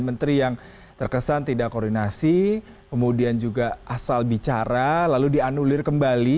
menteri yang terkesan tidak koordinasi kemudian juga asal bicara lalu dianulir kembali